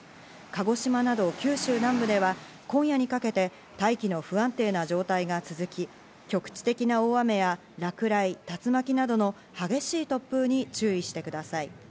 鹿児島など九州南部では今夜にかけて大気の不安定な状態が続き、局地的な大雨や落雷、竜巻などの激しい突風に注意してください。